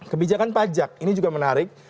kebijakan pajak ini juga menarik